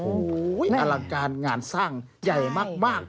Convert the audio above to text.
โอ้โหอลังการงานสร้างใหญ่มาก